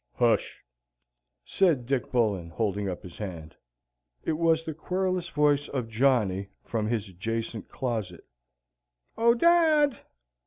"Hush," said Dick Bullen, holding up his hand. It was the querulous voice of Johnny from his adjacent closet: "O dad!"